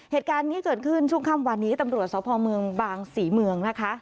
เหตุการณ์นี้เกิดขึ้นช่วงค่ำวันนี้ตำรวจสพเมืองบางศรีเมืองนะคะ